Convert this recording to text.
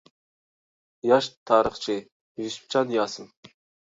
ياش تارىخچى يۈسۈپجان ياسىن.